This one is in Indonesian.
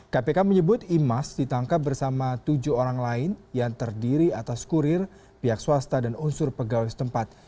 kpk menyebut imas ditangkap bersama tujuh orang lain yang terdiri atas kurir pihak swasta dan unsur pegawai setempat